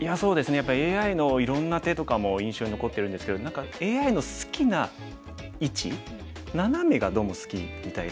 やっぱりＡＩのいろんな手とかも印象に残ってるんですけど何かＡＩの好きな位置ナナメがどうも好きみたいで。